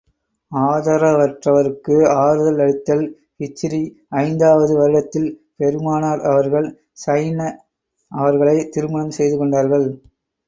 ஆதரவற்றவருக்கு ஆறுதல் அளித்தல் ஹிஜ்ரீ ஐந்தாவது வருடத்தில் பெருமானார் அவர்கள், ஸைனப் அவர்களைத் திருமணம் செய்து கொண்டார்கள்.